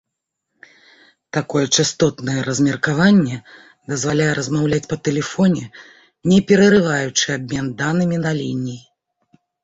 Такое частотнае размеркаванне дазваляе размаўляць па тэлефоне, не перарываючы абмен данымі на лініі.